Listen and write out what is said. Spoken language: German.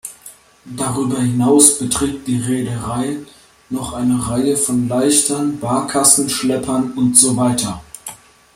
Darüber hinaus betrieb die Reederei noch eine Reihe von Leichtern, Barkassen, Schleppern usw.